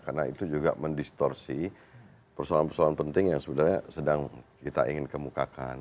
karena itu juga mendistorsi persoalan persoalan penting yang sebenarnya sedang kita ingin kemukakan